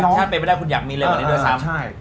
ถ้าไปไม่ได้อยากมีเลยแบบนี้ด้วยซ้ำ